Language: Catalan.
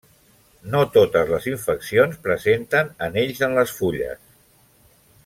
No totes les infeccions presenten anells en les fulles.